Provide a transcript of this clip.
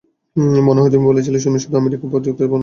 মনে হয় তুমি বলেছিলে তুমি শুধু আমেরিকা বা যুক্তরাজ্যে ভ্রমণ করবে?